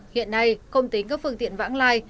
hiện nay không tính các phương tiện vãng lai